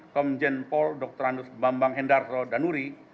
komjen pol dr andus bambang hendarto danuri